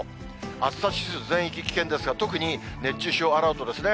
暑さ指数、全域危険ですが、特に熱中症アラートですね。